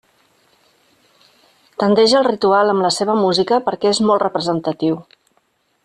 Tendeix al ritual amb la seva música perquè és molt representatiu.